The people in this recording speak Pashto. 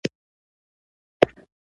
د ښه موټر ساتنه ضروري ده.